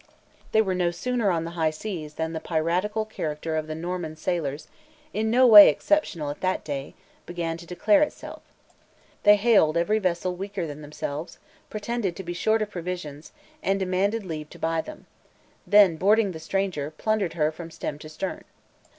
They were no sooner on the high seas than the piratical character of the Norman sailors, in no way exceptional at that day, began to declare itself. They hailed every vessel weaker than themselves, pretended to be short of provisions, and demanded leave to buy them; then, boarding the stranger, plundered her from stem to stern.